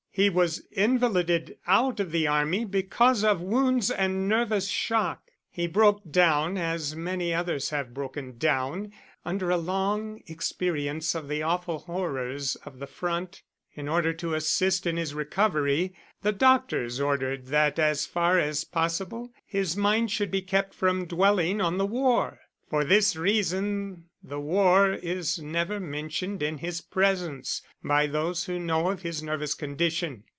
He was invalided out of the army because of wounds and nervous shock. He broke down as many others have broken down, under a long experience of the awful horrors of the front. In order to assist in his recovery the doctors ordered that as far as possible his mind should be kept from dwelling on the war. For this reason the war is never mentioned in his presence by those who know of his nervous condition.